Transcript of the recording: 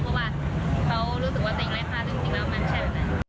เพราะว่าเขารู้สึกว่าเป็นอย่างไรค่ะซึ่งจริงแล้วมันใช่